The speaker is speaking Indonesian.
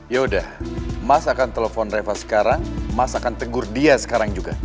yaudah mas akan telepon reva sekarang mas akan tegur dia sekarang juga